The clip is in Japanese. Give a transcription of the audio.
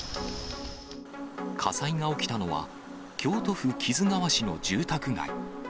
火災が起きたのは、京都府木津川市の住宅街。